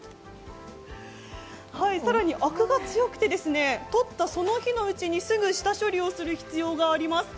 更に、あくが強くて、とったその日のうちにすぐ下処理をする必要があります。